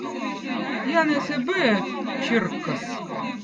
jänez eb õõ čirkkõz